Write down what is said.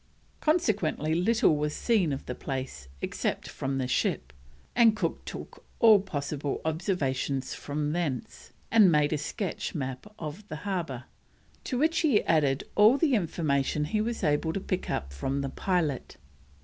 Consequently little was seen of the place, except from the ship, and Cook took all possible observations from thence, and made a sketch map of the harbour, to which he added all the information he was able to pick up from the pilot.